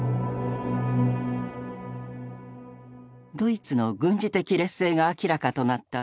ドイツの軍事的劣勢が明らかとなった